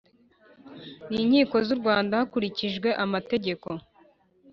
n inkiko z u Rwanda hakurikijwe amategeko